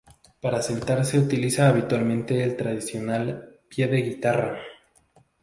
Para sentarse utiliza habitualmente el tradicional "pie de guitarra".